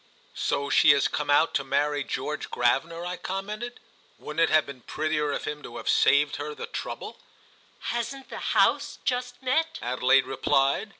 "So she has come out to marry George Gravener?" I commented. "Wouldn't it have been prettier of him to have saved her the trouble?" "Hasn't the House just met?" Adelaide replied.